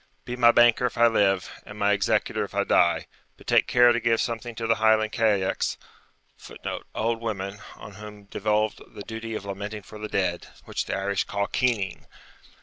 Be my banker if I live, and my executor if I die; but take care to give something to the Highland cailliachs [Footnote: Old women, on whom devolved the duty of lamenting for the dead, which the Irish call keening.